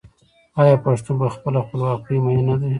آیا پښتون په خپله خپلواکۍ مین نه دی؟